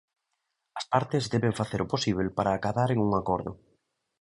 As partes deben facer o posíbel para acadaren a un acordo.